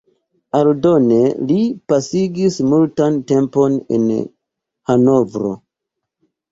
Aldone li pasigis multan tempon en Hanovro.